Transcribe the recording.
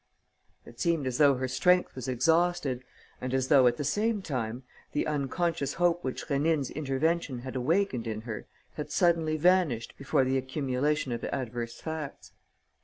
It seemed as though her strength was exhausted and as though, at the same time, the unconscious hope which Rénine's intervention had awakened in her had suddenly vanished before the accumulation of adverse facts.